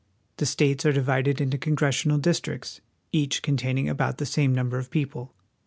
The states are divided into congressional districts, each containing about the same number of people.